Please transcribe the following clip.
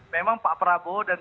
memang pak prabowo dan